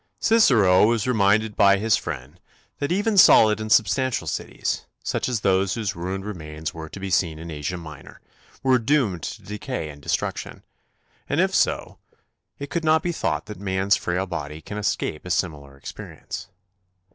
Cicero was reminded by his friend that even solid and substantial cities, such as those whose ruined remains were to be seen in Asia Minor, were doomed to decay and destruction; and if so, it could not be thought that man's frail body can escape a similar experience.